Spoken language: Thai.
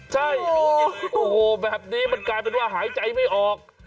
ใช่โอ้โหแบบนี้มันกลายเป็นว่าหายใจไม่ออก